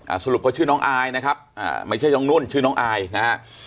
สรุปเขาชื่อน้องอายนะครับอ่าไม่ใช่น้องนุ่นชื่อน้องอายนะฮะ